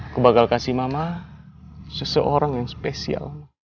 aku akan kasih mama seseorang yang spesial